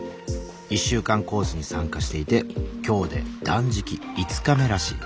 １週間コースに参加していて今日で断食５日目らしい。